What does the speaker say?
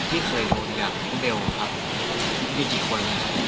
พี่เคยรู้อย่างเบลครับมีกี่คน